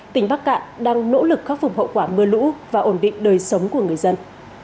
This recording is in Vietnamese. tỉnh bắc cạn đang nỗ lực khắc phục hậu quả mưa lũ và ổn định đời sống của người dân